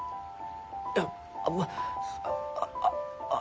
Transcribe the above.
いやまあああ